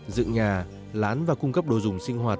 dựng nhà lán và cung cấp đồ dùng sinh hoạt